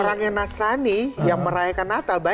orang yang nasrani yang merayakan natal